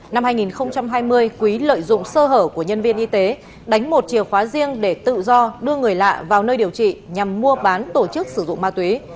năm hai nghìn hai mươi quý lợi dụng sơ hở của nhân viên y tế đánh một chìa khóa riêng để tự do đưa người lạ vào nơi điều trị nhằm mua bán tổ chức sử dụng ma túy